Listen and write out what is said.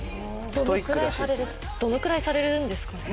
どれくらいされるんですか。